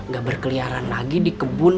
gak berkeliaran lagi di kebun